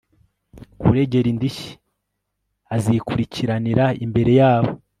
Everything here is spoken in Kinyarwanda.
kuregera indishyi azikurikiranira imbere yabo